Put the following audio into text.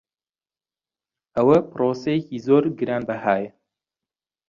ئەوە پرۆسەیەکی زۆر گرانبەهایە.